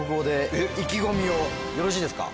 よろしいですか？